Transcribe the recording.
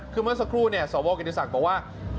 คือเมื่อสักครู่สอบโวย์กันเดียวสั่งบอกว่า